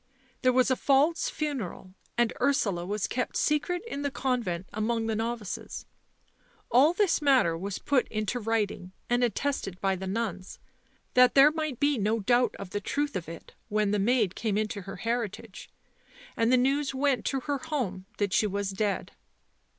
There was a false funeral, and Ursula was kept secret in the convent among the novices. All this matter was put into writing and attested by the nuns, that there might be no doubt of the truth of it when the maid came into her heritage. And the news went to her home that she was dead."